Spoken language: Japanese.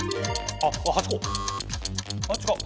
あっ違う？